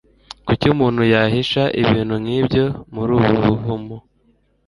Kuki umuntu yahisha ibintu nkibyo muri ubu buvumo?